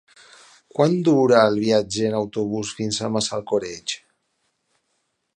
Quant dura el viatge en autobús fins a Massalcoreig?